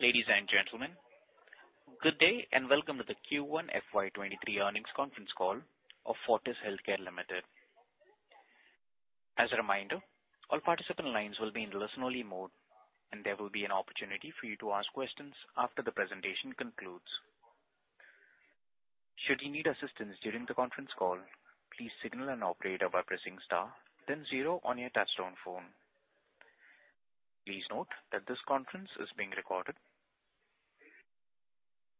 Ladies and gentlemen, good day, and welcome to the Q1 FY 2023 Earnings Conference Call of Fortis Healthcare Limited. As a reminder, all participant lines will be in listen only mode, and there will be an opportunity for you to ask questions after the presentation concludes. Should you need assistance during the conference call, please signal an operator by pressing star then zero on your touchtone phone. Please note that this conference is being recorded.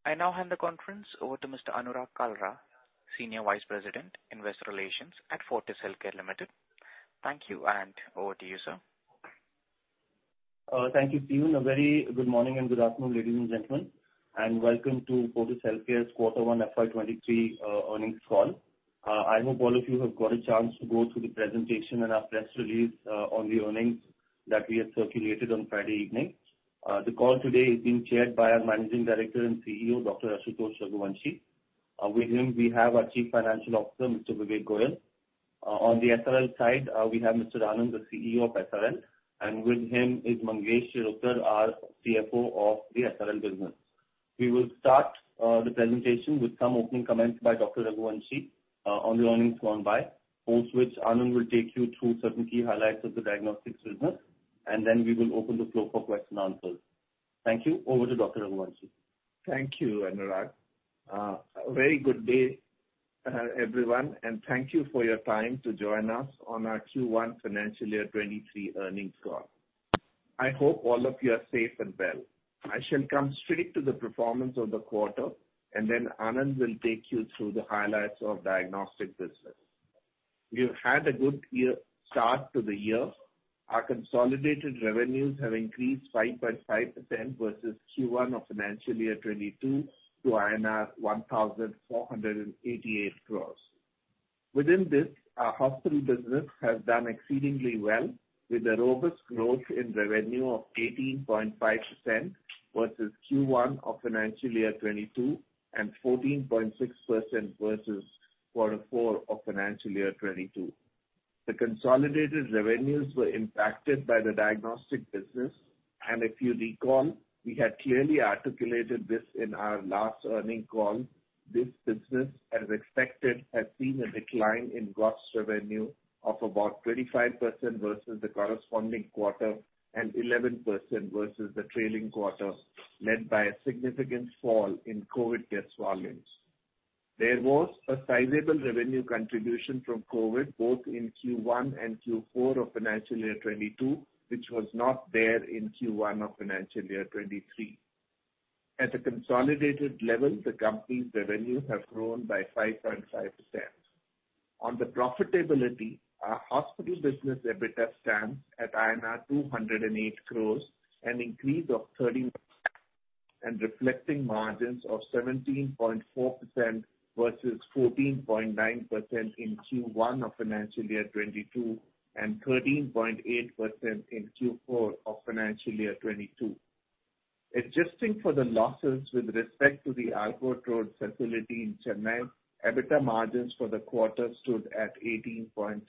I now hand the conference over to Mr. Anurag Kalra, Senior Vice President, Investor Relations at Fortis Healthcare Limited. Thank you, and over to you, sir. Thank you, Steven. A very good morning and good afternoon, ladies and gentlemen, and welcome to Fortis Healthcare's Quarter One FY 2023 Earnings Call. I hope all of you have got a chance to go through the presentation and our press release on the earnings that we have circulated on Friday evening. The call today is being chaired by our Managing Director and CEO, Dr. Ashutosh Raghuvanshi. With him, we have our Chief Financial Officer, Mr. Vivek Kumar Goyal. On the SRL side, we have Mr. Anand, the CEO of SRL, and with him is Mangesh Shirodkar, our CFO of the SRL business. We will start the presentation with some opening comments by Dr. Raghuvanshi on the earnings call, post which Anand will take you through certain key highlights of the diagnostics business, and then we will open the floor for questions and answers. Thank you. Over to Dr. Raghuvanshi. Thank you, Anurag. A very good day, everyone, and thank you for your time to join us on our Q1 Financial Year 2023 Earnings Call. I hope all of you are safe and well. I shall come straight to the performance of the quarter, and then Anand will take you through the highlights of diagnostic business. We've had a good year start to the year. Our consolidated revenues have increased 5.5% versus Q1 of financial year 2022 to INR 1,488 crore. Within this, our hospital business has done exceedingly well with a robust growth in revenue of 18.5% versus Q1 of financial year 2022 and 14.6% versus Q4 of financial year 2022. The consolidated revenues were impacted by the diagnostic business, and if you recall, we had clearly articulated this in our last earnings call. This business, as expected, has seen a decline in gross revenue of about 25% versus the corresponding quarter and 11% versus the trailing quarter, led by a significant fall in COVID test volumes. There was a sizable revenue contribution from COVID both in Q1 and Q4 of financial year 2022, which was not there in Q1 of financial year 2023. At a consolidated level, the company's revenues have grown by 5.5%. On the profitability, our hospital business EBITDA stands at INR 208 crore, an increase of 13% and reflecting margins of 17.4% versus 14.9% in Q1 of financial year 2022 and 13.8% in Q4 of financial year 2022. Adjusting for the losses with respect to the Arcot Road facility in Chennai, EBITDA margins for the quarter stood at 18.3%.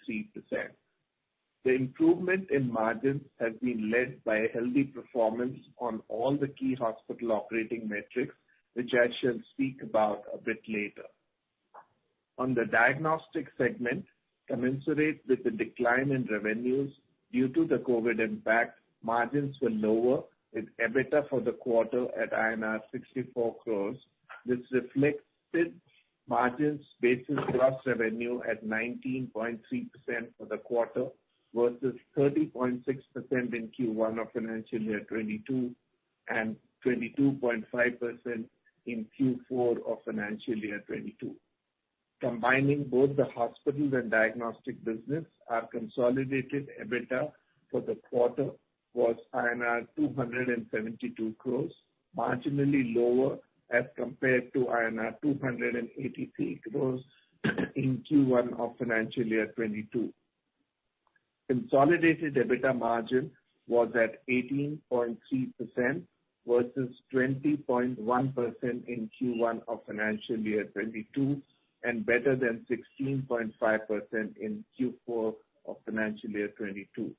The improvement in margins has been led by a healthy performance on all the key hospital operating metrics, which I shall speak about a bit later. On the diagnostic segment, commensurate with the decline in revenues due to the COVID impact, margins were lower, with EBITDA for the quarter at INR 64 crore. This reflected margins based on gross revenue at 19.3% for the quarter versus 30.6% in Q1 of financial year 2022 and 22.5% in Q4 of financial year 2022. Combining both the hospitals and diagnostic business, our consolidated EBITDA for the quarter was INR 272 crore, marginally lower as compared to INR 283 crore in Q1 of financial year 2022. Consolidated EBITDA margin was at 18.3% versus 20.1% in Q1 of financial year 2022, and better than 16.5% in Q4 of financial year 2022.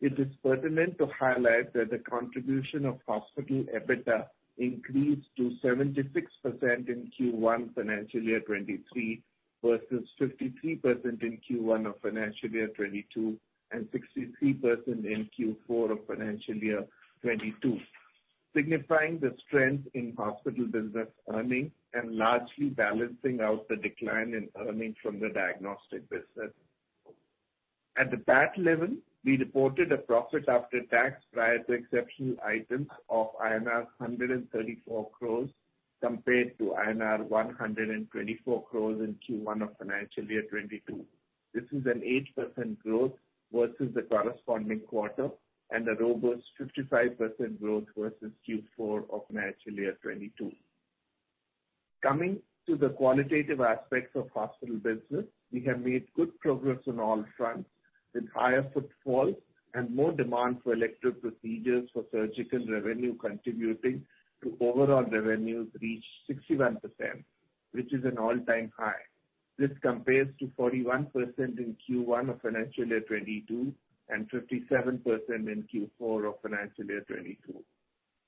It is pertinent to highlight that the contribution of hospital EBITDA increased to 76% in Q1 financial year 2023 versus 53% in Q1 of financial year 2022 and 63% in Q4 of financial year 2022, signifying the strength in hospital business earnings and largely balancing out the decline in earnings from the diagnostic business. At the PAT level, we reported a profit after tax prior to exceptional items of INR 134 crore compared to INR 124 crore in Q1 of financial year 2022. This is an 8% growth versus the corresponding quarter and a robust 55% growth versus Q4 of financial year 2022. Coming to the qualitative aspects of hospital business, we have made good progress on all fronts with higher footfall and more demand for elective procedures for surgical revenue contributing to overall revenues reach 61%, which is an all-time high. This compares to 41% in Q1 of financial year 2022, and 57% in Q4 of financial year 2022.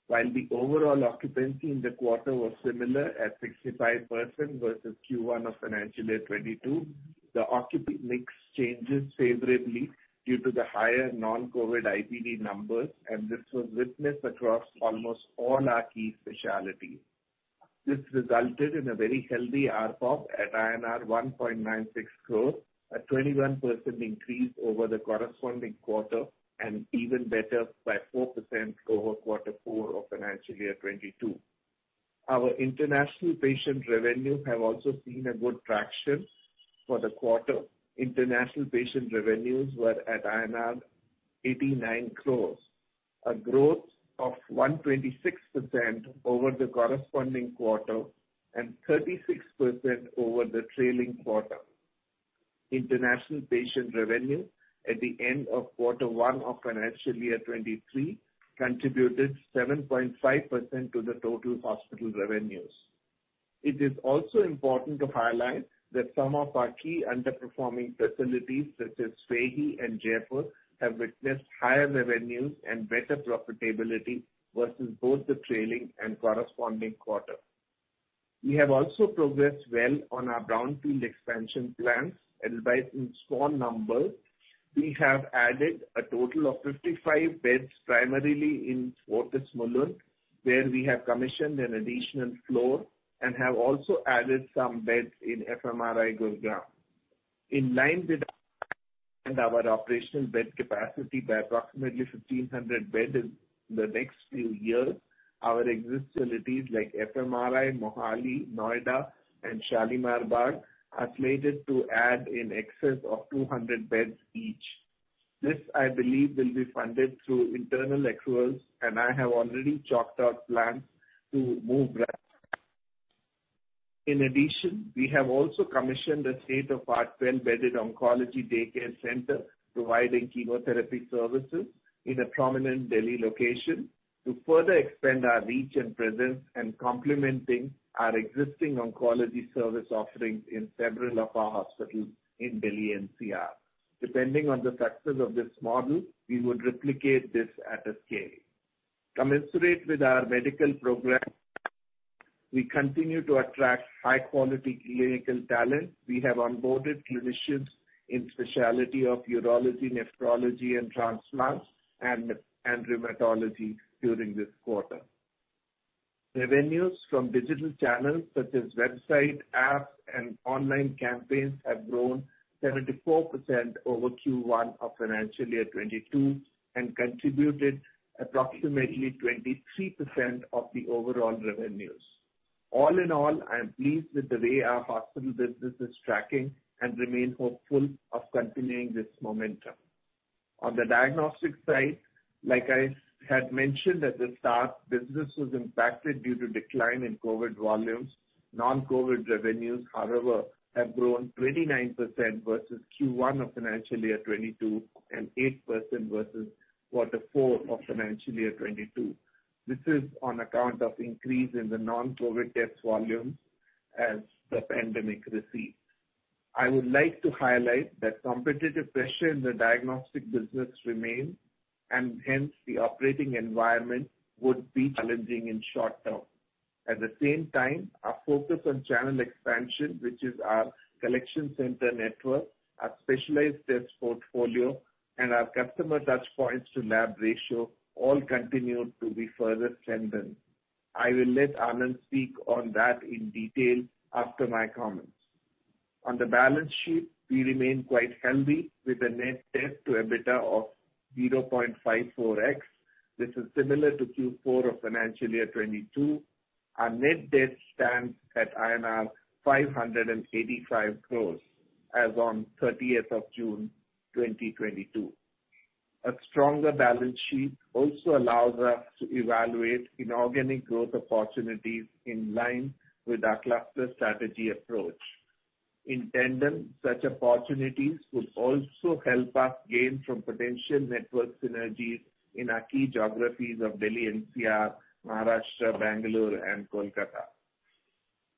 While the overall occupancy in the quarter was similar at 65% versus Q1 of financial year 2022, the occupancy mix changes favorably due to the higher non-COVID IPD numbers, and this was witnessed across almost all our key specialties. This resulted in a very healthy ARPOB at INR 1.96 crore, a 21% increase over the corresponding quarter and even better by 4% over quarter four of financial year 2022. Our international patient revenues have also seen a good traction for the quarter. International patient revenues were at INR 89 crore, a growth of 126% over the corresponding quarter and 36% over the trailing quarter. International patient revenue at the end of quarter one of financial year 2023 contributed 7.5% to the total hospital revenues. It is also important to highlight that some of our key underperforming facilities, such as FEHI in Jaipur, have witnessed higher revenues and better profitability versus both the trailing and corresponding quarter. We have also progressed well on our brownfield expansion plans, added in small numbers. We have added a total of 55 beds, primarily in Fortis Mulund, where we have commissioned an additional floor and have also added some beds in FMRI, Gurgaon. In line with our plan to expand our operational bed capacity by approximately 1,500 beds in the next few years, our existing facilities like FMRI, Mohali, Noida, and Shalimar Bagh are slated to add in excess of 200 beds each. This, I believe, will be funded through internal accruals, and I have already chalked out plans to move fast. In addition, we have also commissioned a state-of-the-art well-bedded oncology daycare center providing chemotherapy services in a prominent Delhi location to further expand our reach and presence and complementing our existing oncology service offerings in several of our hospitals in Delhi NCR. Depending on the success of this model, we would replicate this at a scale. Commensurate with our medical progress, we continue to attract high quality clinical talent. We have onboarded clinicians in specialty of urology, nephrology and transplant and rheumatology during this quarter. Revenues from digital channels such as website, apps, and online campaigns have grown 74% over Q1 of financial year 2022 and contributed approximately 23% of the overall revenues. All in all, I am pleased with the way our hospital business is tracking and remain hopeful of continuing this momentum. On the diagnostic side, like I had mentioned at the start, business was impacted due to decline in COVID volumes. Non-COVID revenues, however, have grown 29% versus Q1 of financial year 2022 and 8% versus quarter four of financial year 2022. This is on account of increase in the non-COVID test volumes as the pandemic recedes. I would like to highlight that competitive pressure in the diagnostic business remains, and hence the operating environment would be challenging in short term. At the same time, our focus on channel expansion, which is our collection center network, our specialized tests portfolio, and our customer touch points to lab ratio all continue to be further strengthened. I will let Anand speak on that in detail after my comments. On the balance sheet, we remain quite healthy with a net debt to EBITDA of 0.54x. This is similar to Q4 of financial year 2022. Our net debt stands at INR 585 crore as on 30th of June, 2022. A stronger balance sheet also allows us to evaluate inorganic growth opportunities in line with our cluster strategy approach. In tandem, such opportunities would also help us gain from potential network synergies in our key geographies of Delhi NCR, Maharashtra, Bangalore and Kolkata.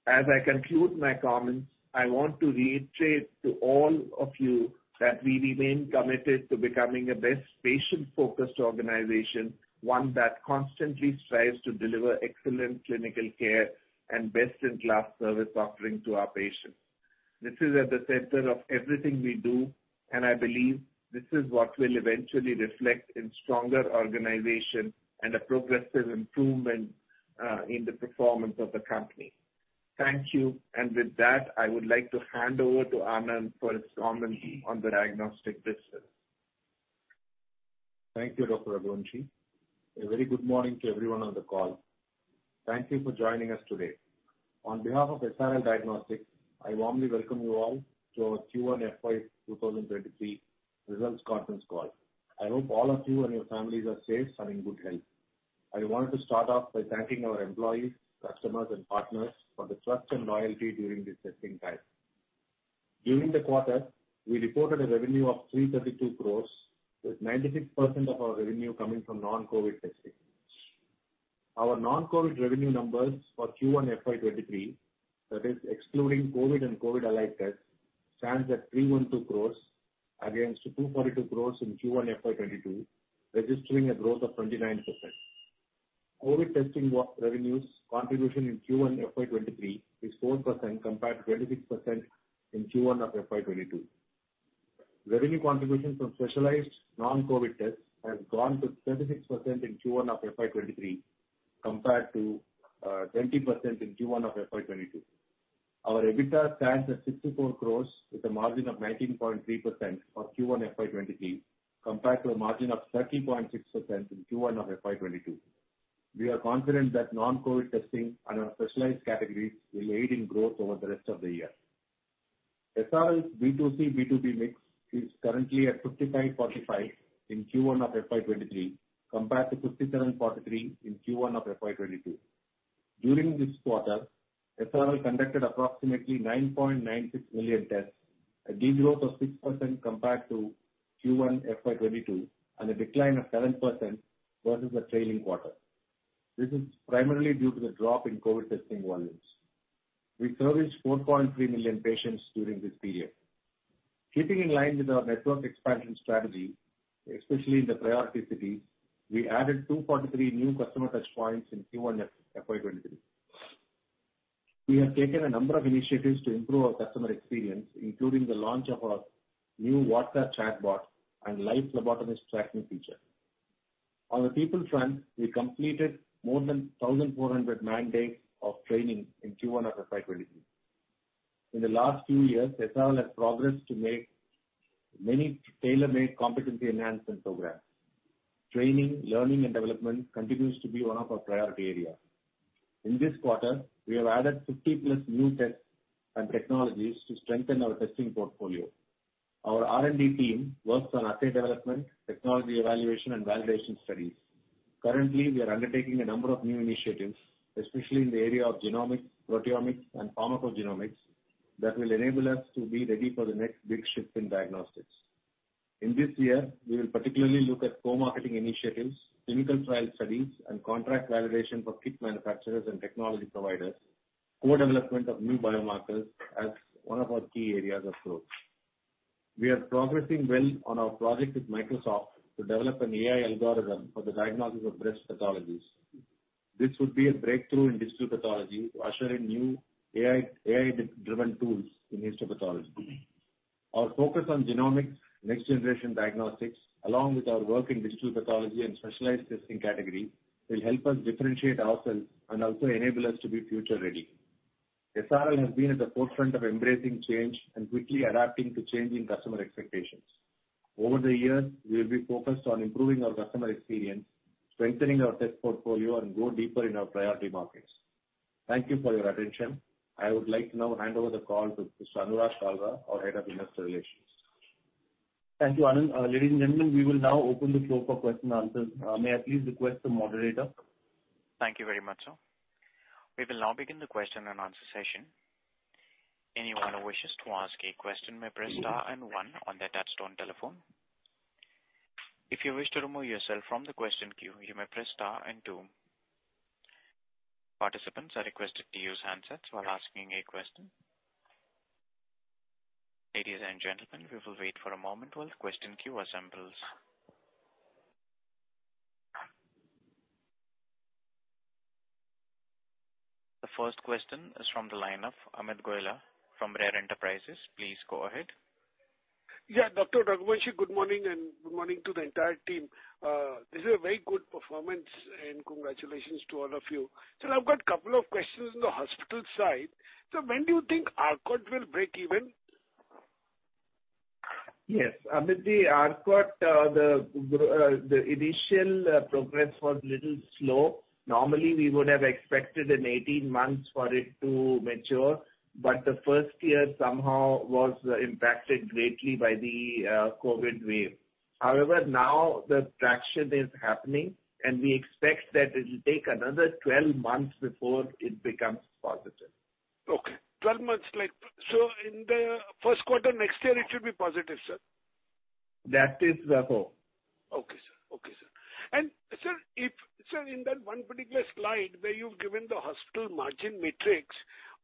As I conclude my comments, I want to reiterate to all of you that we remain committed to becoming a best patient-focused organization, one that constantly strives to deliver excellent clinical care and best in class service offering to our patients. This is at the center of everything we do, and I believe this is what will eventually reflect in stronger organization and a progressive improvement in the performance of the company. Thank you. With that, I would like to hand over to Anand for his comments on the diagnostic business. Thank you, Dr. Ashutosh Raghuvanshi. A very good morning to everyone on the call. Thank you for joining us today. On behalf of SRL Diagnostics, I warmly welcome you all to our Q1 FY 2023 Results Conference Call. I hope all of you and your families are safe and in good health. I want to start off by thanking our employees, customers and partners for the trust and loyalty during this testing time. During the quarter, we reported a revenue of 332 crore, with 96% of our revenue coming from non-COVID testing. Our non-COVID revenue numbers for Q1 FY 2023, that is excluding COVID and COVID-allied tests, stands at 312 crore against 242 crore in Q1 FY 2022, registering a growth of 29%. COVID testing revenues contribution in Q1 FY 2023 is 4% compared to 26% in Q1 of FY 2022. Revenue contribution from specialized non-COVID tests has gone to 36% in Q1 of FY 2023 compared to 20% in Q1 of FY 2022. Our EBITDA stands at 64 crore with a margin of 19.3% for Q1 FY 2023 compared to a margin of 13.6% in Q1 of FY 2022. We are confident that non-COVID testing and our specialized categories will aid in growth over the rest of the year. SRL's B2C/B2B mix is currently at 55/45 in Q1 of FY 2023 compared to 57/43 in Q1 of FY 2022. During this quarter, SRL conducted approximately 9.96 million tests, a degrowth of 6% compared to Q1 FY 2022, and a decline of 7% versus the trailing quarter. This is primarily due to the drop in COVID testing volumes. We serviced 4.3 million patients during this period. Keeping in line with our network expansion strategy, especially in the priority cities, we added 243 new customer touchpoints in Q1 FY 2023. We have taken a number of initiatives to improve our customer experience, including the launch of our new WhatsApp chatbot and live phlebotomist tracking feature. On the people front, we completed more than 1,400 man days of training in Q1 of FY 2023. In the last few years, SRL has progressed to make many tailor-made competency enhancement programs. Training, learning, and development continues to be one of our priority areas. In this quarter, we have added 50+ new tests and technologies to strengthen our testing portfolio. Our R&D team works on assay development, technology evaluation, and validation studies. Currently, we are undertaking a number of new initiatives, especially in the area of genomics, proteomics, and pharmacogenomics, that will enable us to be ready for the next big shift in diagnostics. In this year, we will particularly look at co-marketing initiatives, clinical trial studies, and contract validation for kit manufacturers and technology providers, co-development of new biomarkers as one of our key areas of growth. We are progressing well on our project with Microsoft to develop an AI algorithm for the diagnosis of breast pathologies. This would be a breakthrough in digital pathology, ushering new AI-driven tools in histopathology. Our focus on genomics next-generation diagnostics, along with our work in digital pathology and specialized testing category, will help us differentiate ourselves and also enable us to be future-ready. SRL has been at the forefront of embracing change and quickly adapting to changing customer expectations. Over the years, we have been focused on improving our customer experience, strengthening our test portfolio, and go deeper in our priority markets. Thank you for your attention. I would like to now hand over the call to Mr. Anurag Kalra, our Head of Investor Relations. Thank you, Anand. Ladies and gentlemen, we will now open the floor for question and answers. May I please request the moderator? Thank you very much, sir. We will now begin the question and answer session. Anyone who wishes to ask a question may press star and one on their touch-tone telephone. If you wish to remove yourself from the question queue, you may press star and two. Participants are requested to use handsets while asking a question. Ladies and gentlemen, we will wait for a moment while the question queue assembles. The first question is from the line of Amit Goela from RARE Enterprises. Please go ahead. Yeah. Dr. Raghuvanshi, good morning, and good morning to the entire team. This is a very good performance, and congratulations to all of you. Sir, I've got a couple of questions on the hospital side. When do you think ARPOB will break even? Yes. Amitji, ARPOB, the initial progress was little slow. Normally, we would have expected in 18 months for it to mature, but the first year somehow was impacted greatly by the COVID wave. However, now the traction is happening, and we expect that it'll take another 12 months before it becomes positive. Okay. 12 months later. In the first quarter next year, it should be positive, sir? That is the hope. Okay, sir. Sir, in that one particular slide where you've given the hospital margin matrix,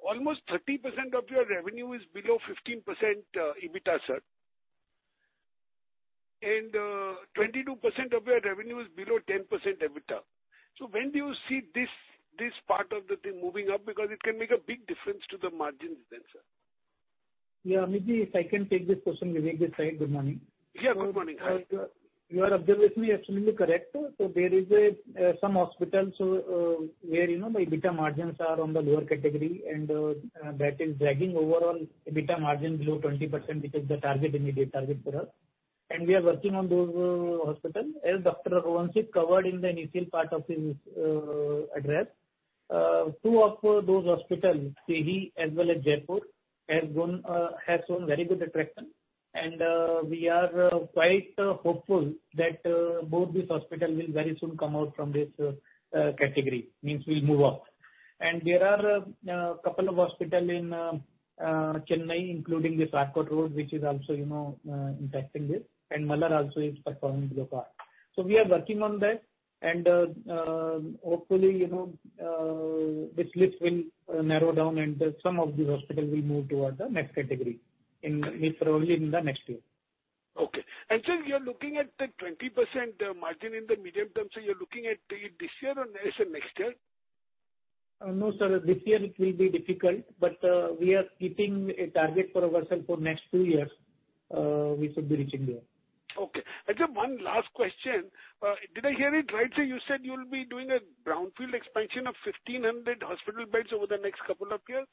almost 30% of your revenue is below 15% EBITDA, sir. 22% of your revenue is below 10% EBITDA. When do you see this part of the thing moving up? Because it can make a big difference to the margins then, sir. Yeah, Amitji, if I can take this question. Vivek Desai. Good morning. Yeah. Good morning. Hi. Your observation is absolutely correct. There is some hospitals where, you know, the EBITDA margins are on the lower category, and that is dragging overall EBITDA margin below 20%, which is the target, immediate target for us. We are working on those hospitals. As Dr. Raghuvanshi covered in the initial part of his address, two of those hospitals, Delhi as well as Jaipur, have shown very good traction. We are quite hopeful that both these hospitals will very soon come out from this category. Means will move up. There are couple of hospital in Chennai, including the Thiruvanmiyur which is also, you know, in this. Mulund also is performing below par. We are working on that and, hopefully, you know, this list will narrow down and some of these hospitals will move toward the next category in, probably in the next year. You're looking at the 20% margin in the medium term, so you're looking at this year or next year? No, sir. This year it will be difficult, but we are keeping a target for ourselves for next two years. We should be reaching there. Okay. I think one last question. Did I hear it right, sir? You said you will be doing a brownfield expansion of 1,500 hospital beds over the next couple of years.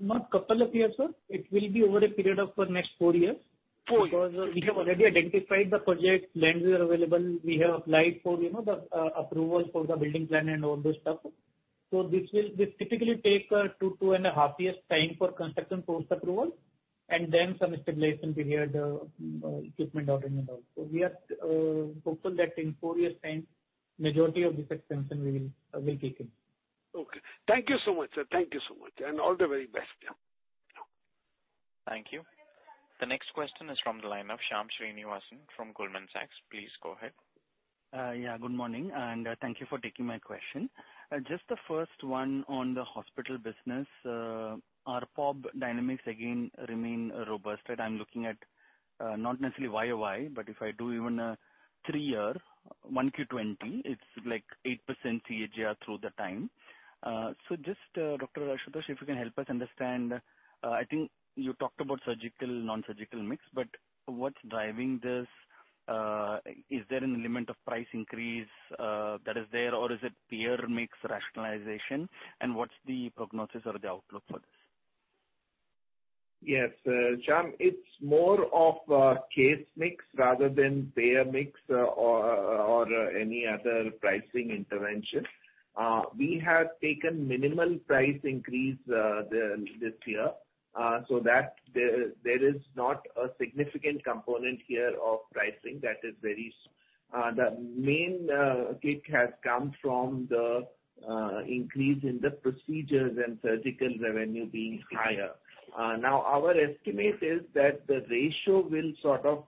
Not couple of years, sir. It will be over a period of the next four years. Four years. Because we have already identified the project, lands are available. We have applied for the approval for the building plan and all those stuff. This typically take 2.5 years time for construction post-approval and then some stabilization period, equipment ordering and all. We are hopeful that in four years' time, majority of this expansion we will take in. Okay. Thank you so much, sir. Thank you so much. All the very best. Yeah. Thank you. The next question is from the line of Shyam Srinivasan from Goldman Sachs. Please go ahead. Yeah, good morning, and thank you for taking my question. Just the first one on the hospital business. ARPOB dynamics again remain robust, right? I'm looking at, not necessarily YoY, but if I do even, three year, 1Q 2020, it's like 8% CAGR through the time. So just, Dr. Ashutosh, if you can help us understand. I think you talked about surgical, non-surgical mix, but what's driving this? Is there an element of price increase, that is there? Or is it payer mix rationalization? What's the prognosis or the outlook for this? Yes. Shyam, it's more of a case mix rather than payer mix or any other pricing intervention. We have taken minimal price increase this year. So that there is not a significant component here of pricing that is very. The main kick has come from the increase in the procedures and surgical revenue being higher. Now our estimate is that the ratio will sort of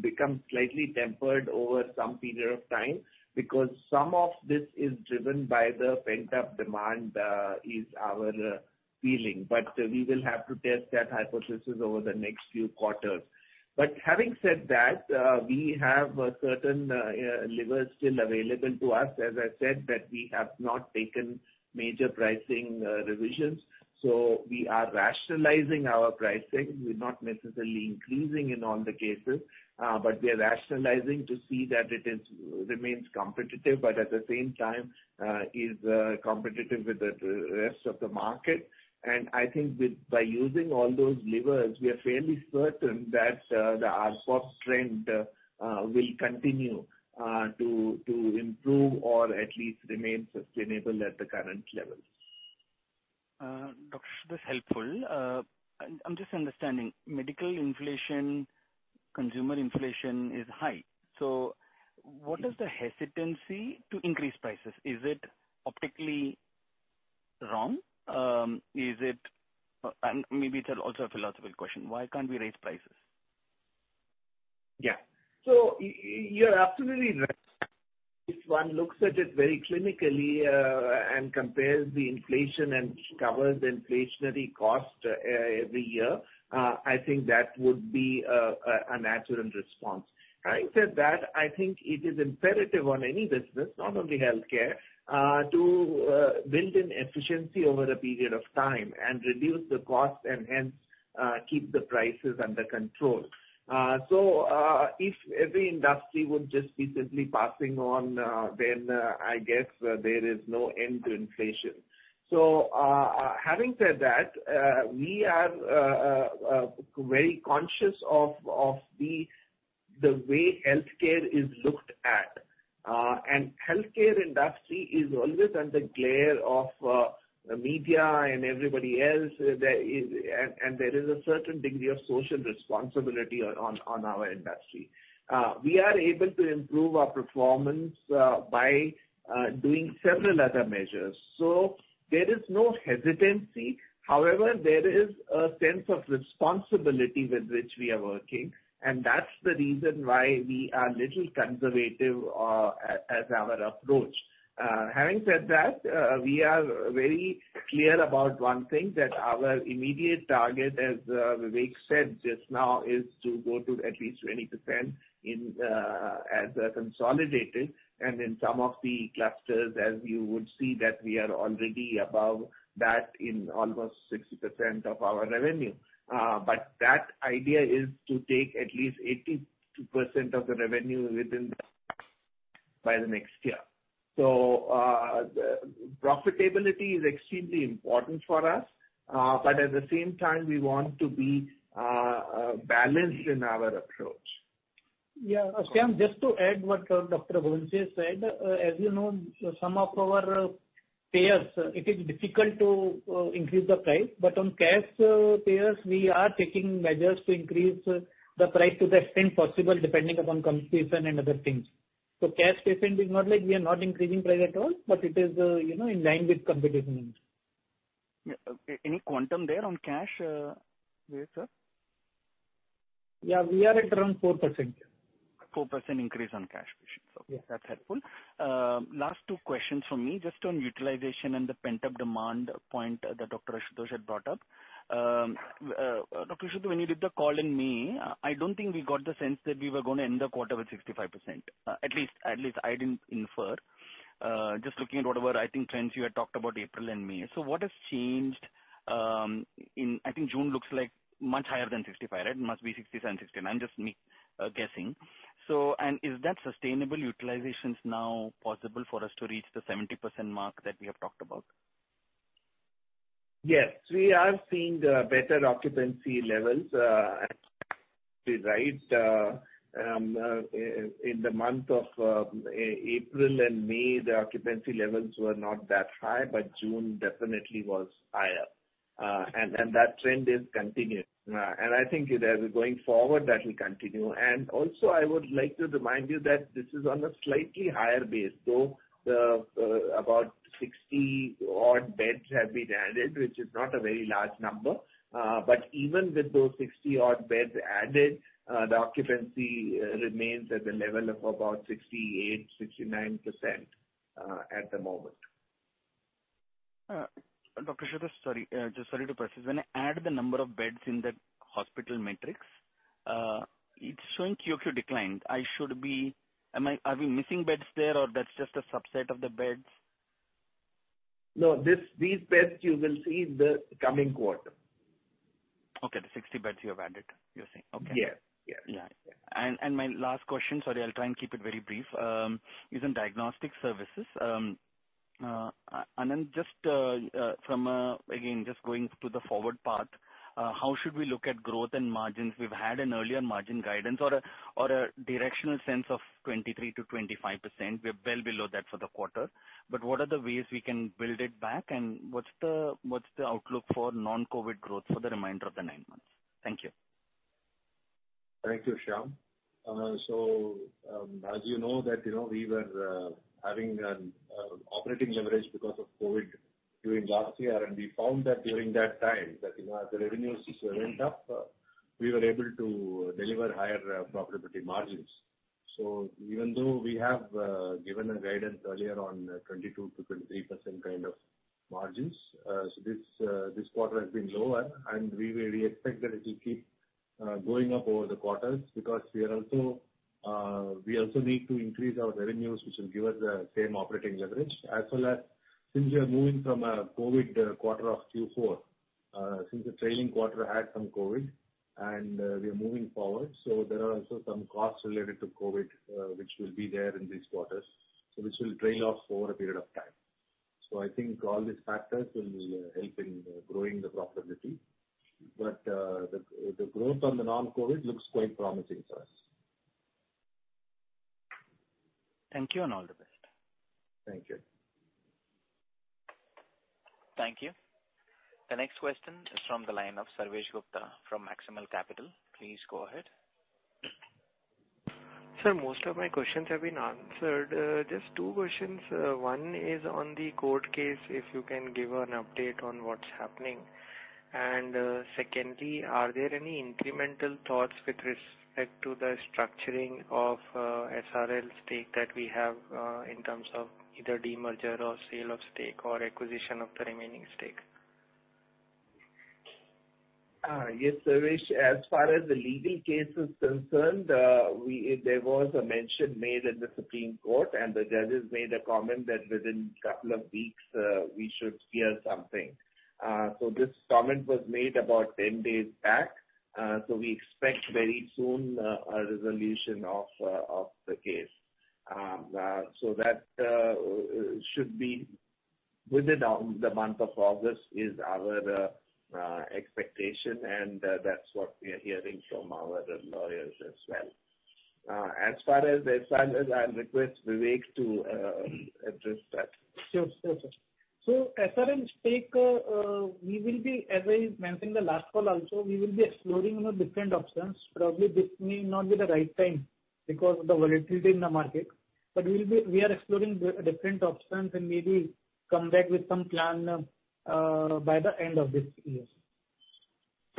become slightly tempered over some period of time because some of this is driven by the pent-up demand, is our feeling. We will have to test that hypothesis over the next few quarters. Having said that, we have certain levers still available to us. As I said, that we have not taken major pricing revisions, so we are rationalizing our pricing. We're not necessarily increasing in all the cases, but we are rationalizing to see that it remains competitive, but at the same time, is competitive with the rest of the market. I think by using all those levers, we are fairly certain that the ARPOB trend will continue to improve or at least remain sustainable at the current level. Helpful. I'm just not understanding medical inflation, consumer inflation is high, so what is the hesitancy to increase prices? Is it optically wrong? Maybe it's also a philosophical question. Why can't we raise prices? You're absolutely right. If one looks at it very clinically, and compares the inflation and covers inflationary cost every year, I think that would be a natural response. Having said that, I think it is imperative on any business, not only healthcare, to build in efficiency over a period of time and reduce the cost and hence, keep the prices under control. If every industry would just be simply passing on, then I guess there is no end to inflation. Having said that, we are very conscious of the way healthcare is looked at. Healthcare industry is always under glare of the media and everybody else. There is a certain degree of social responsibility on our industry. We are able to improve our performance by doing several other measures. There is no hesitancy. However, there is a sense of responsibility with which we are working, and that's the reason why we are little conservative as our approach. Having said that, we are very clear about one thing, that our immediate target, as Vivek said just now, is to go to at least 20% in as a consolidated. In some of the clusters, as you would see that we are already above that in almost 60% of our revenue. That idea is to take at least 80% of the revenue within by the next year. Profitability is extremely important for us, but at the same time we want to be balanced in our approach. Yeah. Shyam, just to add what Dr. Raghuvanshi said. As you know, some of our payers, it is difficult to increase the price. On cash payers, we are taking measures to increase the price to the extent possible depending upon competition and other things. Cash patient is not like we are not increasing price at all, but it is in line with competition. Any quantum there on cash, Vivek, sir? Yeah, we are at around 4%. 4% increase on cash position. Yes. That's helpful. Last two questions from me. Just on utilization and the pent-up demand point that Dr. Ashutosh had brought up. Dr. Ashutosh, when you did the call in May, I don't think we got the sense that we were gonna end the quarter with 65%, at least I didn't infer. Just looking at whatever trends you had talked about April and May. What has changed in June? I think June looks like much higher than 65%, right? It must be 68%-69%, just me guessing. Is that sustainable? Utilizations now possible for us to reach the 70% mark that we have talked about? Yes. We are seeing better occupancy levels right in the month of April and May, the occupancy levels were not that high, but June definitely was higher. That trend is continuing. I think as we're going forward, that will continue. Also I would like to remind you that this is on a slightly higher base, so about 60 beds have been added, which is not a very large number. Even with those 60 beds added, the occupancy remains at the level of about 68%-69% at the moment. Dr. Ashutosh, sorry. Just sorry to press this. When I add the number of beds in that hospital matrix, it's showing QoQ decline. Are we missing beds there or that's just a subset of the beds? No. These beds you will see in the coming quarter. Okay. The 60 beds you have added, you're saying. Okay. Yeah. Yeah. Yeah. My last question, sorry, I'll try and keep it very brief, is on diagnostic services. And then just from again just going to the forward path, how should we look at growth and margins? We've had an earlier margin guidance or a directional sense of 23%-25%. We're well below that for the quarter. What are the ways we can build it back and what's the outlook for non-COVID growth for the remainder of the nine months? Thank you. Thank you, Shyam. As you know that, you know, we were having an operating leverage because of COVID during last year. We found that during that time, you know, as the revenues went up, we were able to deliver higher profitability margins. Even though we have given a guidance earlier on 22%-23% kind of margins, this quarter has been lower, and we expect that it will keep going up over the quarters because we are also, we also need to increase our revenues, which will give us the same operating leverage. As well as since we are moving from a COVID quarter of Q4, since the trailing quarter had some COVID and, we are moving forward, so there are also some costs related to COVID, which will be there in these quarters. This will trail off over a period of time. I think all these factors will help in growing the profitability. The growth on the non-COVID looks quite promising to us. Thank you, and all the best. Thank you. Thank you. The next question is from the line of Sarvesh Gupta from Maximal Capital. Please go ahead. Sir, most of my questions have been answered. Just two questions. One is on the court case, if you can give an update on what's happening. Secondly, are there any incremental thoughts with respect to the structuring of SRL stake that we have, in terms of either demerger or sale of stake or acquisition of the remaining stake? Yes, Sarvesh. As far as the legal case is concerned, there was a mention made in the Supreme Court, and the judges made a comment that within couple of weeks, we should hear something. This comment was made about 10 days back. We expect very soon a resolution of the case. That should be within the month of August is our expectation, and that's what we are hearing from our lawyers as well. As far as the SRL, I'll request Vivek to address that. Sure, sir. SRL stake, we will be, as I mentioned the last call also, we will be exploring, you know, different options. Probably this may not be the right time because of the volatility in the market, but we are exploring different options and maybe come back with some plan by the end of this year.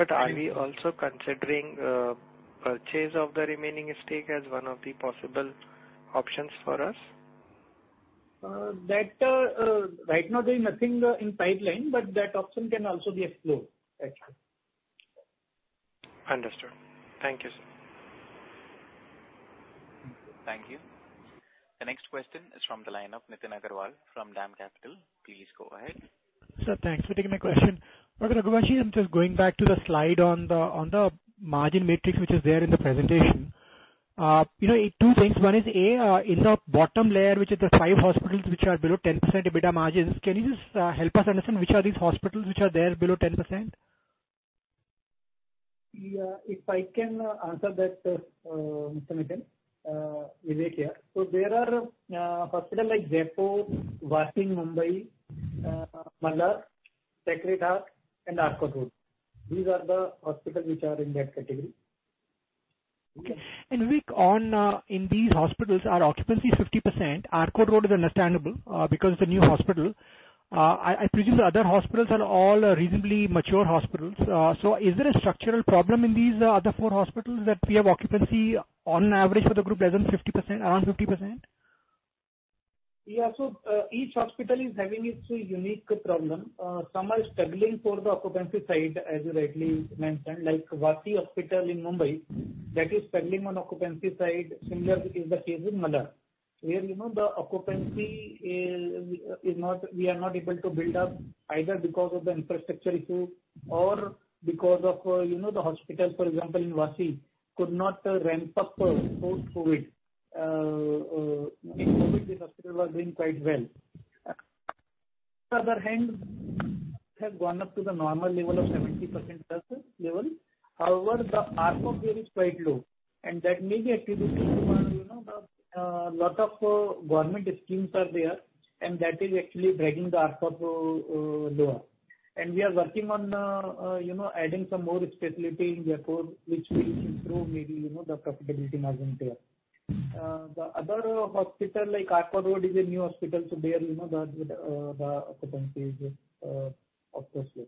Are we also considering purchase of the remaining stake as one of the possible options for us? Right now there's nothing in pipeline, but that option can also be explored. Yes, sir. Understood. Thank you, sir. Thank you. The next question is from the line of Nitin Agarwal from DAM Capital. Please go ahead. Sir, thanks for taking my question. Dr. Ashutosh Raghuvanshi, I'm just going back to the slide on the margin matrix which is there in the presentation. You know, two things. One is, A, in the bottom layer, which is the five hospitals which are below 10% EBITDA margins, can you just help us understand which are these hospitals which are there below 10%? If I can answer that, Mr. Nitin. Vivek here. There are hospitals like Jaipur, Wockhardt Mumbai, Malad, Sacred Heart and Arcot Road. These are the hospitals which are in that category. Okay. Vivek on, in these hospitals, our occupancy is 50%. Arcot Road is understandable, because it's a new hospital. I presume the other hospitals are all reasonably mature hospitals. Is there a structural problem in these other four hospitals that we have occupancy on average for the group less than 50%, around 50%? Yeah. Each hospital is having its unique problem. Some are struggling for the occupancy side, as you rightly mentioned, like Vashi Hospital in Mumbai, that is struggling on occupancy side. Similar is the case with Mulund. Where you know the occupancy is not. We are not able to build up either because of the infrastructure issue or because of you know the hospital, for example, in Vashi could not ramp up post-COVID. In COVID the hospital was doing quite well. On the other hand, it has gone up to the normal level of 70%+level. However, the ARPOB there is quite low, and that may be actually because you know a lot of government schemes are there, and that is actually dragging the ARPOB lower. We are working on, you know, adding some more specialty in Jaipur, which will improve maybe, you know, the profitability margin there. The other hospital like Arcot Road is a new hospital, so there, you know, the occupancy is, obviously. Sure.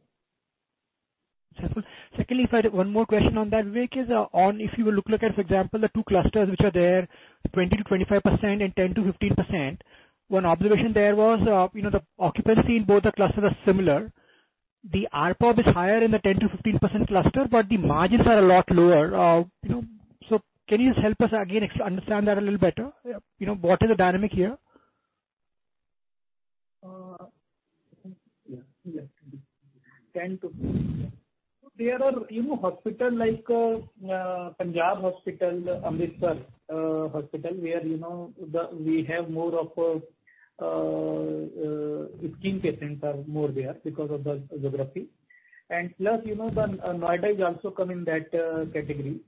Secondly, if I had one more question on that, Vivek, is on if you were to look at, for example, the two clusters which are there, 20%-25% and 10%-15%, one observation there was, you know, the occupancy in both the clusters are similar. The ARPOB is higher in the 10%-15% cluster, but the margins are a lot lower. You know, so can you just help us again understand that a little better? You know, what is the dynamic here? There are, you know, hospital like Punjab Hospital, Amritsar, hospital where we have more scheme patients there because of the geography. Plus, you know, Noida is also come in that category.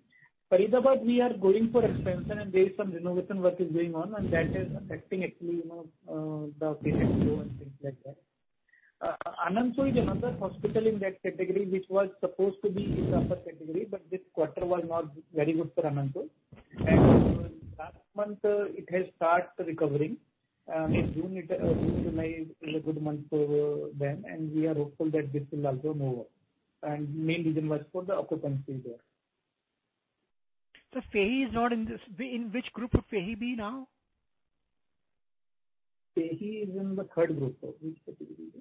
Faridabad we are going for expansion and there is some renovation work going on, and that is affecting actually the patient flow and things like that. Anandapur is another hospital in that category which was supposed to be in the upper category, but this quarter was not very good for Anandapur. Last month, it has started recovering. In June to July is a good month for them, and we are hopeful that this will also move up. Main reason was for the occupancy there. FEHI is not in this. In which group would FEHI be now? FEHI is in the third group of each category.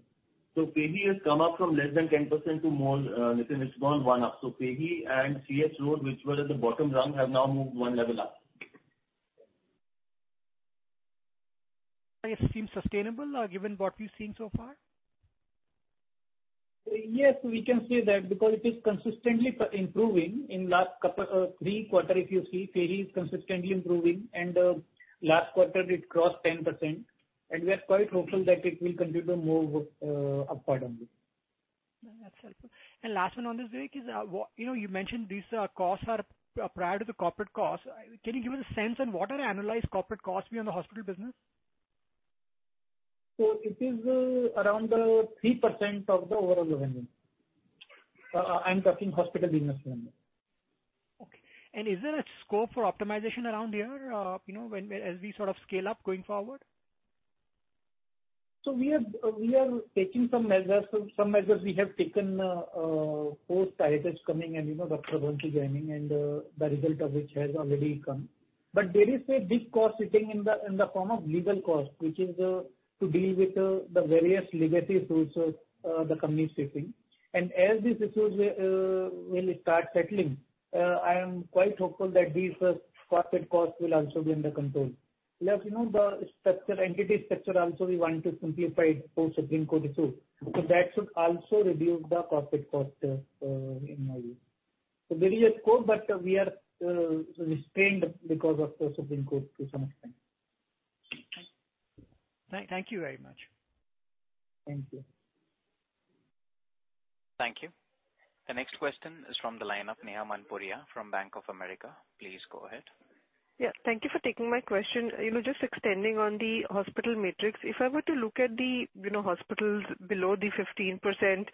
FEHI has come up from less than 10% to more, it's gone one up. FEHI and CG Road, which were at the bottom rung, have now moved one level up. It seems sustainable, given what we've seen so far? Yes, we can say that because it is consistently improving. In last couple, three quarter if you see, FEHI is consistently improving and, last quarter it crossed 10%, and we are quite hopeful that it will continue to move, upward only. That's helpful. Last one on this, Vivek, is what you know you mentioned these costs are prior to the corporate costs. Can you give us a sense on what the annualized corporate costs be on the hospital business? It is around 3% of the overall revenue. I'm talking hospital business revenue. Okay. Is there a scope for optimization around here, you know, when we're, as we sort of scale up going forward? We are taking some measures. Some measures we have taken post [titles] coming and, you know, Dr. Raghuvanshi joining and the result of which has already come. There is a big cost sitting in the form of legal costs, which is to deal with the various legacy issues the company is facing. As these issues really start settling, I am quite hopeful that these corporate costs will also be under control. Plus, you know, the structure, entity structure also we want to simplify post Supreme Court issue. That should also reduce the corporate cost in my view. There is a scope, but we are restrained because of the Supreme Court to some extent. Thank you very much. Thank you. Thank you. The next question is from the line of Neha Manpuria from Bank of America. Please go ahead. Yeah, thank you for taking my question. You know, just extending on the hospital matrix. If I were to look at the, you know, hospitals below the 15%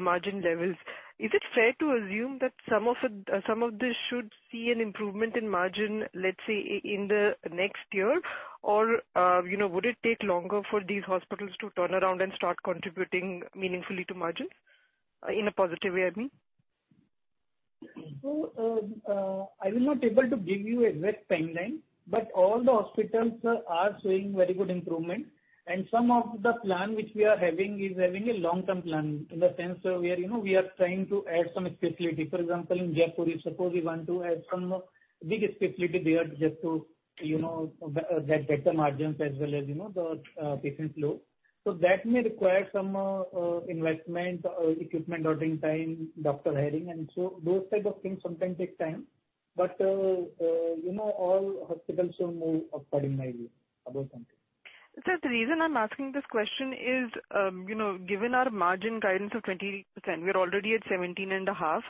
margin levels, is it fair to assume that some of it, some of this should see an improvement in margin, let's say in the next year? Or, you know, would it take longer for these hospitals to turn around and start contributing meaningfully to margins, in a positive way, I mean? I will not able to give you an exact timeline, but all the hospitals are showing very good improvement. Some of the plan which we are having is having a long-term plan. In the sense we are, you know, trying to add some specialty. For example, in Jaipur, suppose we want to add some big specialty there just to, you know, get better margins as well as, you know, the patient flow. That may require some investment, equipment ordering time, doctor hiring, and so those type of things sometimes take time. You know, all hospitals will move up, in my view, about something. Sir, the reason I'm asking this question is, you know, given our margin guidance of 20%, we are already at 17.5%.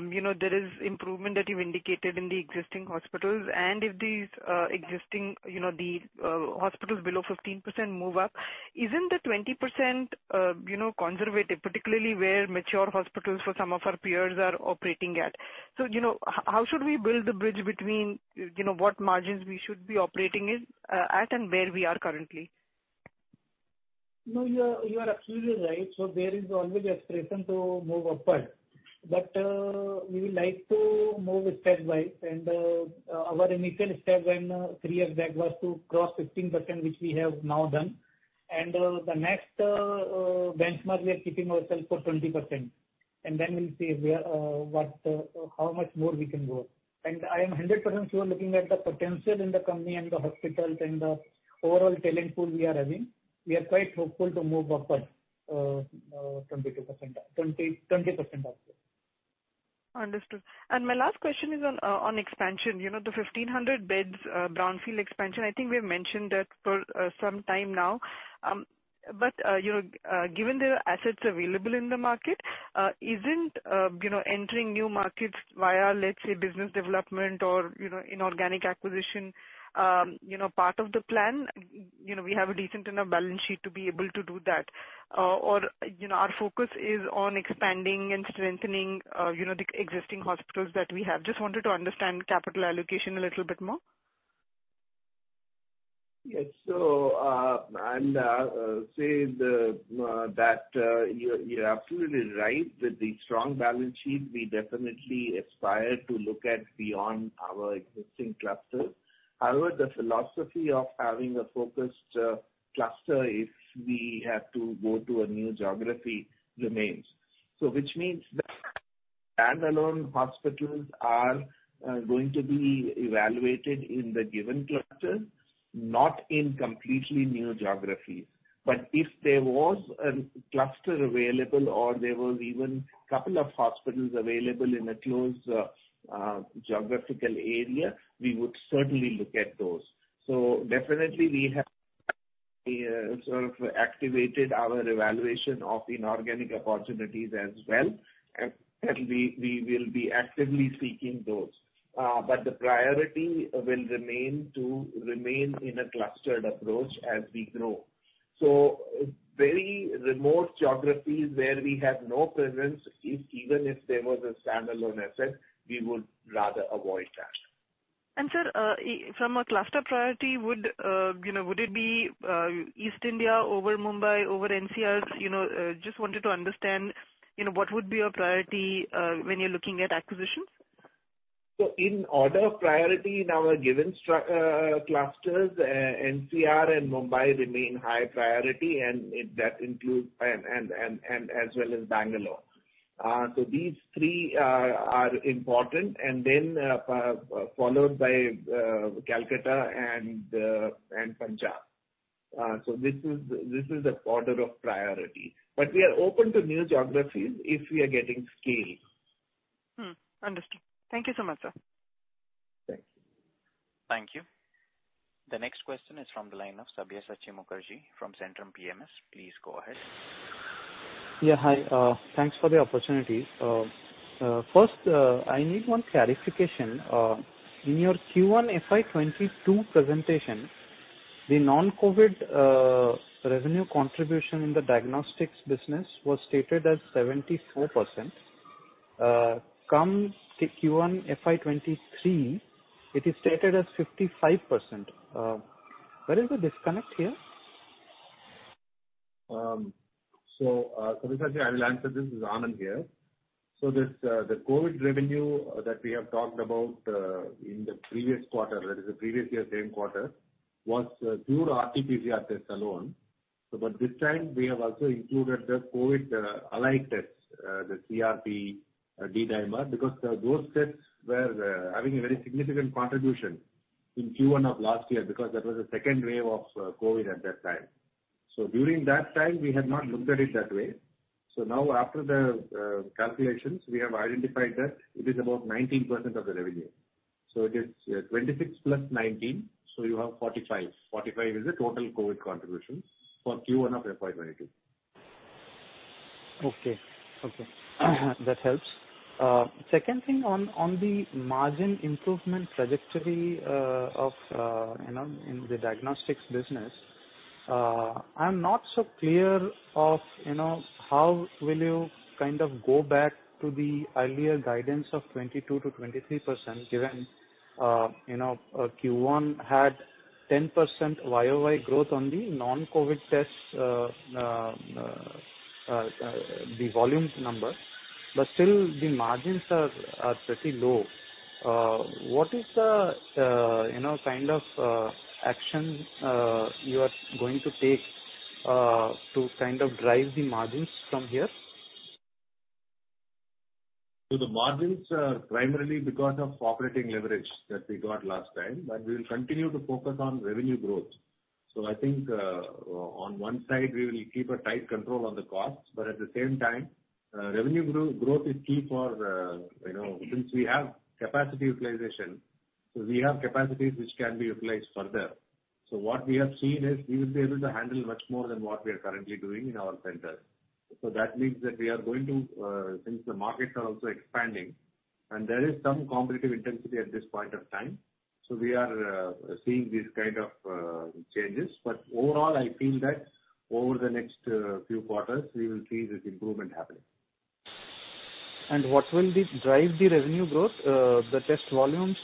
You know, there is improvement that you've indicated in the existing hospitals. If these existing hospitals below 15% move up, isn't the 20%, you know, conservative, particularly where mature hospitals for some of our peers are operating at? How should we build the bridge between, you know, what margins we should be operating in, at, and where we are currently? No, you are absolutely right. There is always aspiration to move upward. We would like to move stepwise and our initial step when three years back was to cross 15%, which we have now done. The next benchmark we are keeping ourselves for 20%. Then we'll see where, what, how much more we can grow. I am 100% sure looking at the potential in the company and the hospitals and the overall talent pool we are having, we are quite hopeful to move upward, 22%, 20% upwards. Understood. My last question is on expansion. You know, the 1,500 beds brownfield expansion, I think we have mentioned that for some time now. Given the assets available in the market, isn't entering new markets via, let's say, business development or inorganic acquisition part of the plan? You know, we have a decent enough balance sheet to be able to do that. Our focus is on expanding and strengthening the existing hospitals that we have. You know, just wanted to understand capital allocation a little bit more. Yes. You're absolutely right. With the strong balance sheet, we definitely aspire to look at beyond our existing clusters. However, the philosophy of having a focused cluster if we have to go to a new geography remains. Which means the standalone hospitals are going to be evaluated in the given cluster, not in completely new geographies. If there was a cluster available or there was even couple of hospitals available in a close geographical area, we would certainly look at those. Definitely we have sort of activated our evaluation of inorganic opportunities as well. Certainly we will be actively seeking those. The priority will remain to remain in a clustered approach as we grow. Very remote geographies where we have no presence, even if there was a standalone asset, we would rather avoid that. Sir, from a cluster priority, you know, would it be East India over Mumbai over NCR? You know, just wanted to understand, you know, what would be your priority when you're looking at acquisitions. In order of priority in our given clusters, NCR and Mumbai remain high priority, and that includes and as well as Bangalore. These three are important, and then followed by Kolkata and Punjab. This is the order of priority. We are open to new geographies if we are getting scale. Understood. Thank you so much, sir. Thank you. Thank you. The next question is from the line of Sabyasachi Mukerji from Centrum PMS. Please go ahead. Yeah, hi. Thanks for the opportunity. First, I need one clarification. In your Q1 FY 2022 presentation, the non-COVID revenue contribution in the diagnostics business was stated as 74%. Come to Q1 FY 2023, it is stated as 55%. Where is the disconnect here? Sabyasachi, I will answer this. This is Anand here. The COVID revenue that we have talked about in the previous quarter, that is the previous year same quarter, was pure RT-PCR tests alone. But this time we have also included the COVID allied tests, the CRP, D-dimer, because those tests were having a very significant contribution in Q1 of last year because that was the second wave of COVID at that time. During that time we had not looked at it that way. Now after the calculations, we have identified that it is about 19% of the revenue. It is 26 + 19, so you have 45. 45 is the total COVID contribution for Q1 of FY 2022. Okay. That helps. Second thing on the margin improvement trajectory of you know in the diagnostics business, I'm not so clear of you know how will you kind of go back to the earlier guidance of 22%-23%, given you know Q1 had 10% YoY growth on the non-COVID tests the volume number, but still the margins are pretty low. What is the you know kind of action you are going to take to kind of drive the margins from here? The margins are primarily because of operating leverage that we got last time, but we will continue to focus on revenue growth. I think, on one side, we will keep a tight control on the costs, but at the same time, revenue growth is key for, you know, since we have capacity utilization. We have capacities which can be utilized further. What we have seen is we will be able to handle much more than what we are currently doing in our centers. That means that we are going to, since the markets are also expanding and there is some competitive intensity at this point of time, so we are seeing these kind of changes. Overall, I feel that over the next few quarters, we will see this improvement happening. What will drive the revenue growth, the test volumes,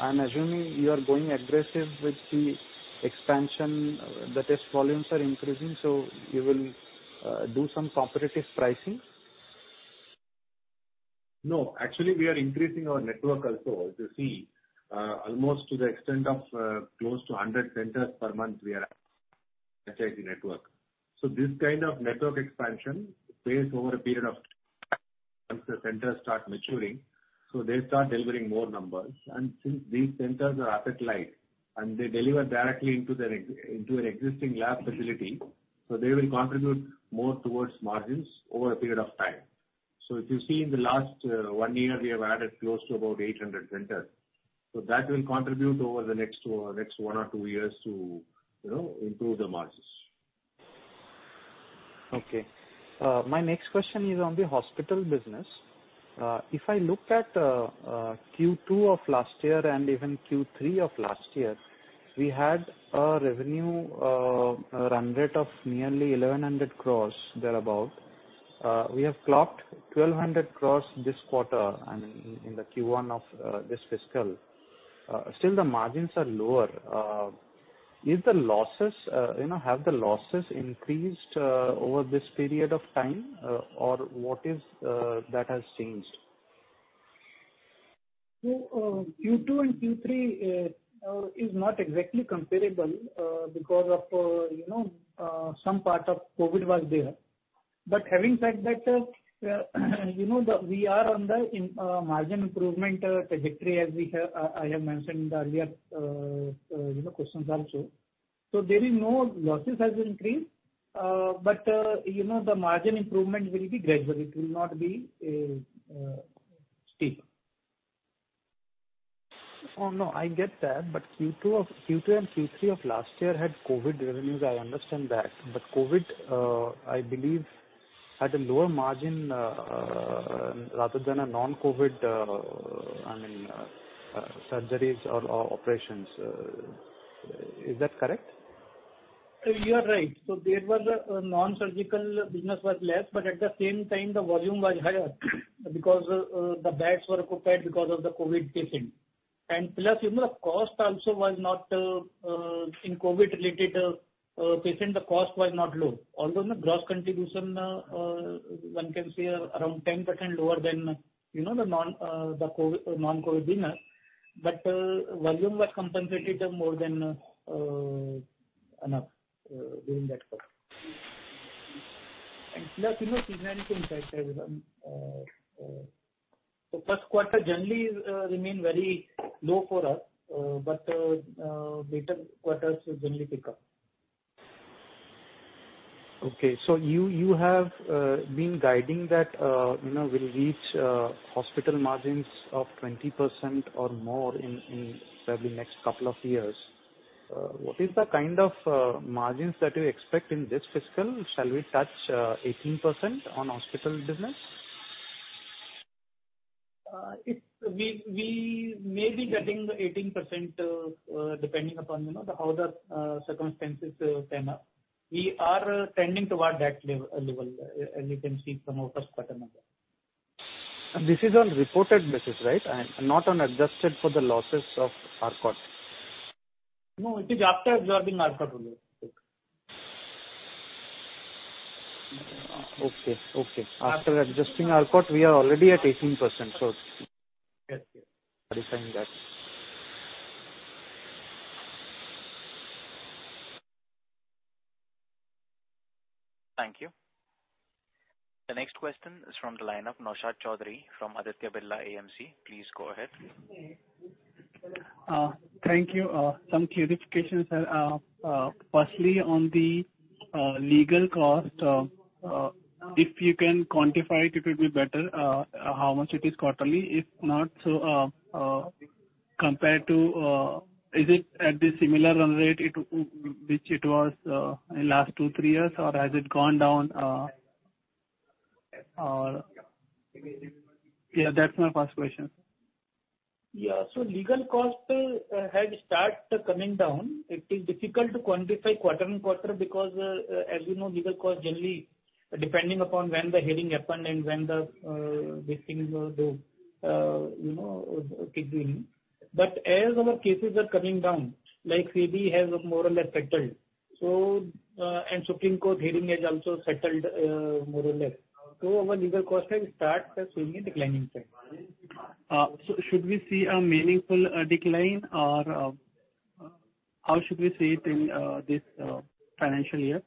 I'm assuming you are going aggressive with the expansion. The test volumes are increasing, so you will do some competitive pricing. No. Actually, we are increasing our network also. If you see, almost to the extent of, close to 100 centers per month, we are adding to the network. This kind of network expansion plays over a period of once the centers start maturing, so they start delivering more numbers. Since these centers are asset light and they deliver directly into an existing lab facility, so they will contribute more towards margins over a period of time. If you see in the last, one year, we have added close to about 800 centers. That will contribute over the next one or two years to, you know, improve the margins. Okay. My next question is on the hospital business. If I look at Q2 of last year and even Q3 of last year, we had a revenue run rate of nearly 1,100 crore thereabout. We have clocked 1,200 crore this quarter and in the Q1 of this fiscal. Still the margins are lower. Is the losses you know have the losses increased over this period of time, or what is that has changed? Q2 and Q3 is not exactly comparable because of you know some part of COVID was there. Having said that, you know we are on the margin improvement trajectory as I have mentioned in the earlier you know questions also. There is no losses has increased. You know the margin improvement will be gradual. It will not be steep. Oh, no, I get that. Q2 and Q3 of last year had COVID revenues, I understand that. COVID, I believe had a lower margin, rather than a non-COVID, I mean, surgeries or operations. Is that correct? You are right. There was a non-surgical business was less, but at the same time, the volume was higher because the beds were occupied because of the COVID patient. Plus, you know, cost also was not in COVID-related patient, the cost was not low. Although the gross contribution one can say around 10% lower than, you know, the non-COVID business. Volume was compensated more than enough during that quarter. Plus, you know, seasonality impact as well. First quarter generally remain very low for us, later quarters will generally pick up. Okay. You have been guiding that, you know, we'll reach hospital margins of 20% or more in probably next couple of years. What is the kind of margins that you expect in this fiscal? Shall we touch 18% on hospital business? If we may be getting 18%, depending upon, you know, how the circumstances turn up. We are tending toward that level, as you can see from our first quarter numbers. This is on reported basis, right? Not on adjusted for the losses of Arcot. No, it is after absorbing Arcot only. Okay. After adjusting Arcot, we are already at 18%. Yes. Yes. Understanding that. Thank you. The next question is from the line of Naushad Chaudhary from Aditya Birla AMC. Please go ahead. Thank you. Some clarifications, firstly on the legal cost, if you can quantify it will be better, how much it is quarterly. If not, compared to, is it at the similar run rate which it was in last two, three years, or has it gone down. Yeah, that's my first question. Yeah. Legal cost had start coming down. It is difficult to quantify quarter-on-quarter because, as you know, legal cost generally depending upon when the hearing happened and when the these things go, you know, between. As our cases are coming down, like SEBI has more or less settled, so and Supreme Court hearing has also settled, more or less. Our legal costs has start showing a declining trend. Should we see a meaningful decline or how should we see it in this financial year?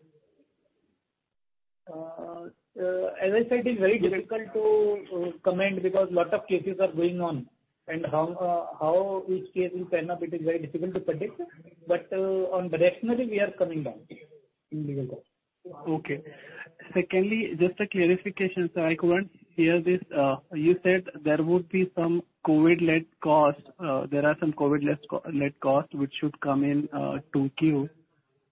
As I said, it's very difficult to comment because lot of cases are going on and how each case will turn up, it is very difficult to predict. Directionally, we are coming down in legal costs. Okay. Secondly, just a clarification, sir. I couldn't hear this. You said there would be some COVID-led costs which should come in 2Q.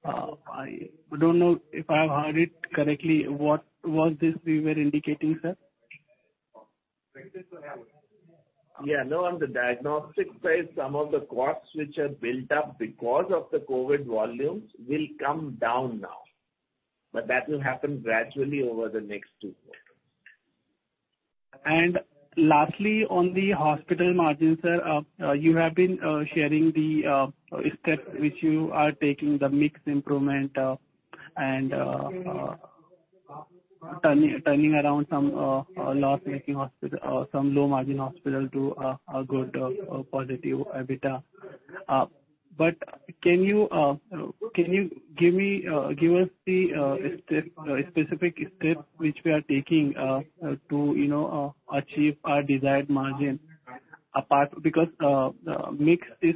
I don't know if I've heard it correctly. What was this we were indicating, sir? Yeah. No, on the diagnostic side, some of the costs which had built up because of the COVID volumes will come down now. That will happen gradually over the next two quarters. Lastly, on the hospital margins, sir, you have been sharing the steps which you are taking, the mix improvement, and turning around some loss-making hospital or some low margin hospital to a good positive EBITDA. Can you give us the steps, specific steps which we are taking to, you know, achieve our desired margin apart. Mix is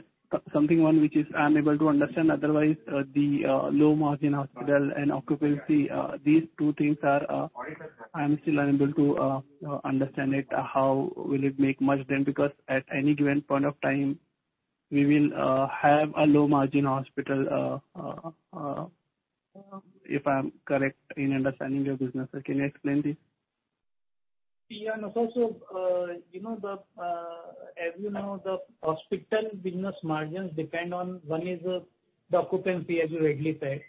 something one which I'm able to understand. Otherwise, the low margin hospital and occupancy, these two things are, I'm still unable to understand it. How will it make much then because at any given point of time, we will have a low margin hospital if I'm correct in understanding your business. Can you explain this? You know, as you know, the hospital business margins depend on one is the occupancy as you rightly said.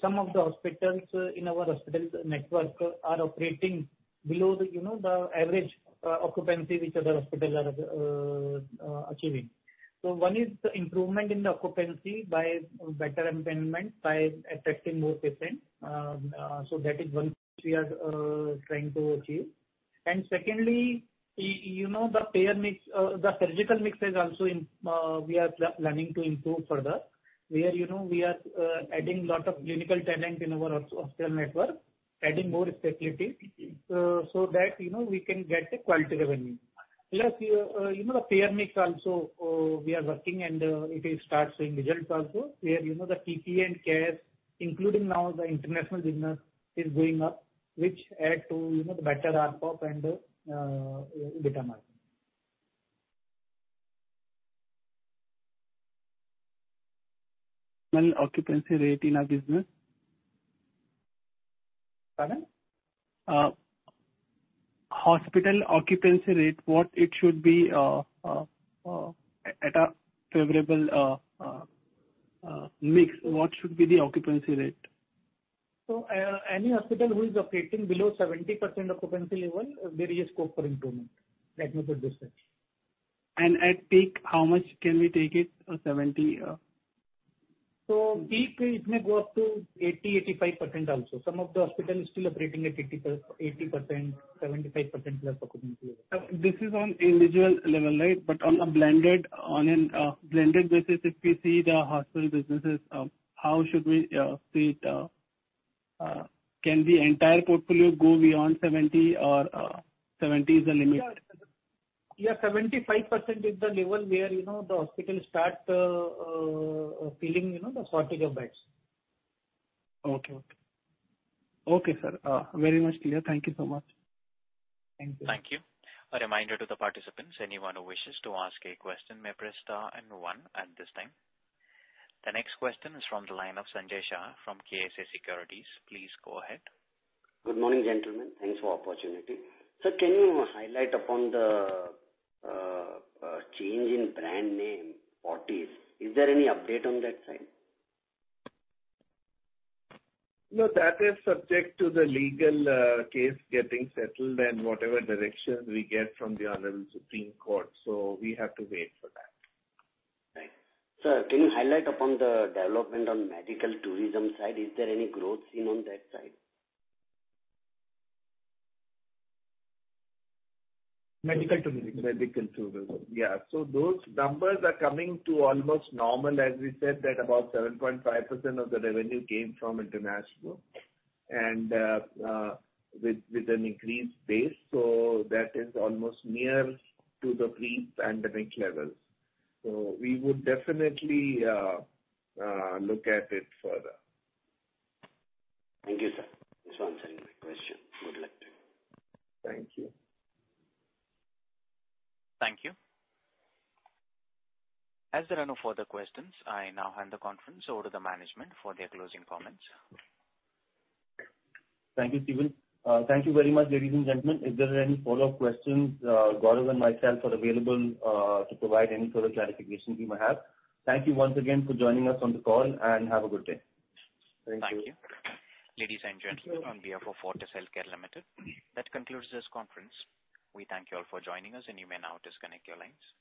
Some of the hospitals in our hospital network are operating below the average occupancy which other hospitals are achieving. One is the improvement in the occupancy by better enablement by attracting more patients. That is one which we are trying to achieve. Secondly, you know, the payer mix, the surgical mix is also, we are planning to improve further. We are, you know, adding lot of clinical talent in our hospital network, adding more specialty, so that, you know, we can get a quality revenue. Plus, you know, the payer mix also, we are working and, it will start seeing results also. Where, you know, the PP and care, including now the international business is going up, which add to, you know, the better ARPOB and, EBITDA margin. Occupancy rate in our business. Pardon? Hospital occupancy rate, what it should be at a favorable mix? What should be the occupancy rate? Any hospital who is operating below 70% occupancy level, there is scope for improvement. That method is such. At peak, how much can we take it, 70? Peak, it may go up to 80%-85% also. Some of the hospitals still operating at 80%, 75%+ occupancy level. This is on individual level, right? On a blended basis, if we see the hospital businesses, how should we see it? Can the entire portfolio go beyond 70 or, 70 is the limit? Yeah, 75% is the level where, you know, the hospital start feeling, you know, the shortage of beds. Okay, sir. Very much clear. Thank you so much. Thank you. Thank you. A reminder to the participants, anyone who wishes to ask a question may press star and one at this time. The next question is from the line of Sanjay Shah from KSA Securities. Please go ahead. Good morning, gentlemen. Thanks for opportunity. Sir, can you highlight upon the change in brand name, Fortis? Is there any update on that side? No, that is subject to the legal, case getting settled and whatever direction we get from the Honorable Supreme Court, so we have to wait for that. Right. Sir, can you highlight upon the development on medical tourism side? Is there any growth seen on that side? Medical tourism. Medical tourism. Yeah. Those numbers are coming to almost normal. As we said that about 7.5% of the revenue came from international and with an increased base. That is almost near to the pre-pandemic levels. We would definitely look at it further. Thank you, sir. Thanks for answering my question. Good luck to you. Thank you. Thank you. As there are no further questions, I now hand the conference over to the management for their closing comments. Thank you, Steven. Thank you very much, ladies and gentlemen. If there are any follow-up questions, Gaurav and myself are available to provide any further clarifications you may have. Thank you once again for joining us on the call, and have a good day. Thank you. Thank you. Ladies and gentlemen, on behalf of Fortis Healthcare Limited, that concludes this conference. We thank you all for joining us, and you may now disconnect your lines.